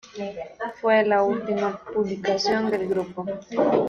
Fue la última publicación del grupo.